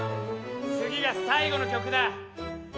次が最後の曲だ。